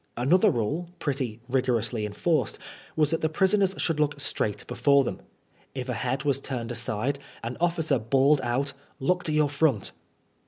Another rule, pretty rigorously enforced, was that the prisoners should look straight before them. If a head was turned aside, an officer bawled out " Look to your front."